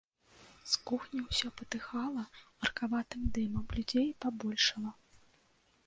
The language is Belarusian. З кухні ўсё патыхала гаркаватым дымам, людзей пабольшала.